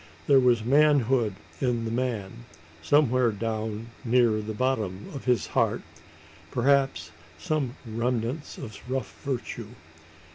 There was manhood in the man somewhere down near the bottom of his heart perhaps some remnants of rough virtue.